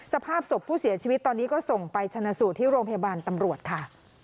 สภาพศพผู้เสียชีวิตตอนนี้ก็ส่งไปชนะสูตรที่โรงพยาบาลตำรวจค่ะ